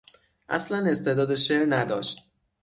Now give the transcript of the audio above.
اصلا استعداد شعر نداشت.